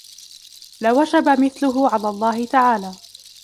لَوَجَبَ مِثْلُهُ عَلَى اللَّهِ تَعَالَى